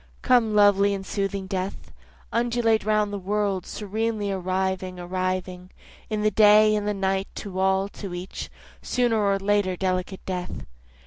Come lovely and soothing death, Undulate round the world, serenely arriving, arriving, In the day, in the night, to all, to each, Sooner or later delicate death.